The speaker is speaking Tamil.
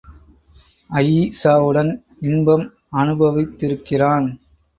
அயீஷாவுடன் இன்பம் அனுபவித்திருக்கிறான்.